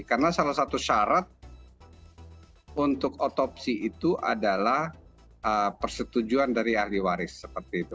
karena salah satu syarat untuk otopsi itu adalah persetujuan dari ahli waris seperti itu